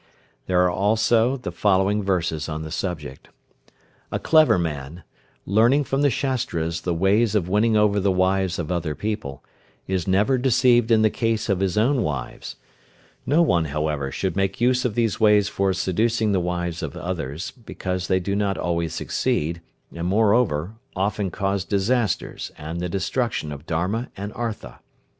There are also the following verses on the subject. "A clever man, learning from the Shastras the ways of winning over the wives of other people, is never deceived in the case of his own wives. No one, however, should make use of these ways for seducing the wives of others, because they do not always succeed, and, moreover, often cause disasters, and the destruction of Dharma and Artha.